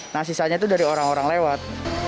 nah sisanya itu dari orang orang lewat